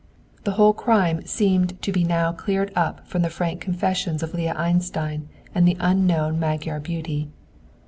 The whole crime seemed to be now cleared up from the frank confessions of Leah Einstein and the unknown Magyar beauty.